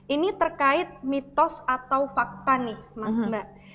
ini terkait mitos atau fakta nih mas mbak